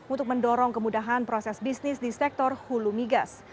untuk mendorong kemudahan proses bisnis di sektor hulu migas